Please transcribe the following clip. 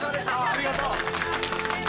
ありがとう。